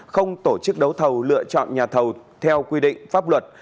không tổ chức đấu thầu lựa chọn nhà thầu theo quy định pháp luật